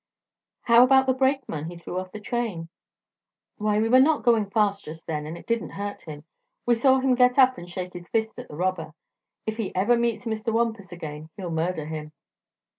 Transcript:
"How about the brakeman he threw off the train?" "Why, we were not going fast, just then, and it didn't hurt him. We saw him get up and shake his fist at the robber. If he ever meets Mr. Wampus again he'll murder him."